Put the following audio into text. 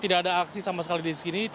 tidak ada aksi sama sekali di sini